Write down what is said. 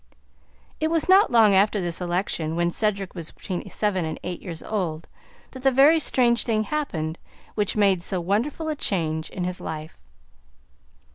It was not long after this election, when Cedric was between seven and eight years old, that the very strange thing happened which made so wonderful a change in his life.